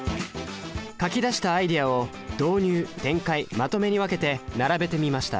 書き出したアイデアを「導入」「展開」「まとめ」に分けて並べてみました